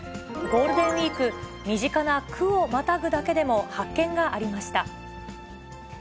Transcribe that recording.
ゴールデンウィーク、身近な区をまたぐだけでも発見がありました。